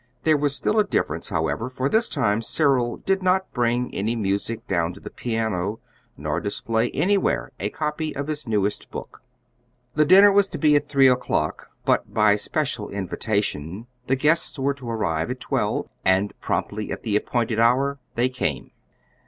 There was still a difference, however, for this time Cyril did not bring any music down to the piano, nor display anywhere a copy of his newest book. The dinner was to be at three o'clock, but by special invitation the guests were to arrive at twelve; and promptly at the appointed hour they came.